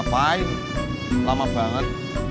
pai lama banget